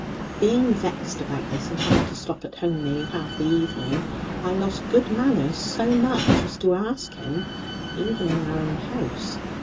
Being vexed about this and having to stop at home nearly half the evening, I lost good manners so much as to ask him (even in our own house!)